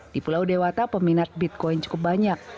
di pulau dewata peminat bitcoin cukup banyak